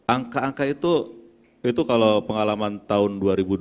angka angka itu itu kalau pengalaman tahun dua ribu dua puluh dua